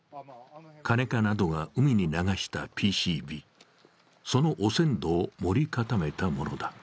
カネカなどが海に流したＰＣＢ、その汚染土を盛り固めたものだ。